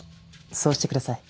そうしてください。